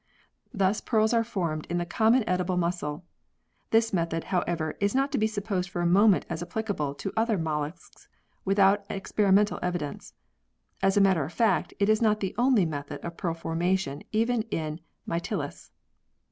Thus pearls are formed in the common edible mussel. This method, however, is not to be supposed for a moment as applicable to other molluscs without experimental evidence. As a matter of fact, it is not the only method of pearl formation even in Mytilus.